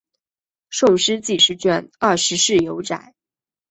宋诗纪事卷二十四有载。